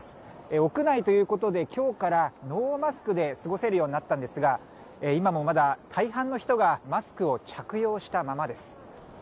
屋内ということで今日からノーマスクで過ごせるようになったんですが今もまだ大半の人がマスクを着用したままです。